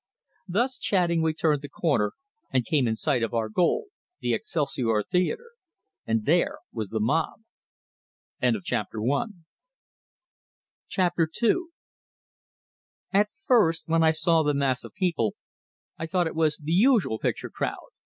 Thus chatting, we turned the corner, and came in sight of our goal, the Excelsior Theatre. And there was the mob! II At first, when I saw the mass of people, I thought it was the usual picture crowd.